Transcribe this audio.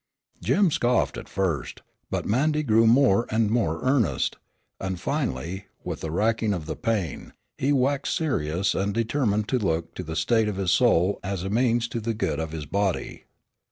Jim scoffed at first, but Mandy grew more and more earnest, and finally, with the racking of the pain, he waxed serious and determined to look to the state of his soul as a means to the good of his body.